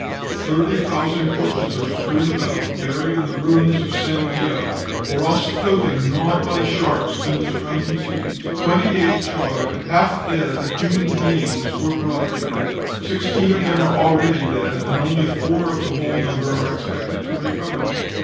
Thirty thousand corpses are strewn about, buried in the ruins of St. Pierre, or else floating, gnawed by sharks, in the surrounding seas. Twenty eight charred, half dead human beings were brought here. Sixteen of them are already dead, and only four of the whole number are expected to recover."